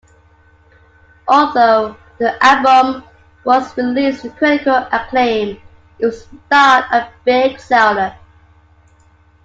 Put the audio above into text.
Although the album was released to critical acclaim, it was not a big seller.